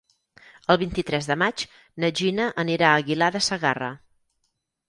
El vint-i-tres de maig na Gina anirà a Aguilar de Segarra.